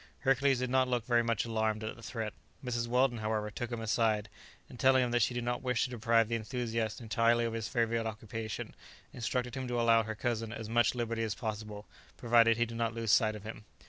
Hercules did not look very much alarmed at the threat. Mrs. Weldon, however, took him aside, and telling him that she did not wish to deprive the enthusiast entirely of his favourite occupation, instructed him to allow her cousin as much liberty as possible, provided he did not lose sight of him.